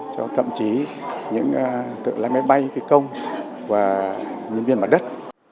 cho thậm chí những tự lái máy bay phi công và nhân viên mặt đất